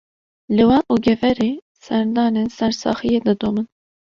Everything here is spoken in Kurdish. Li Wan û Geverê, serdanên sersaxiyê didomin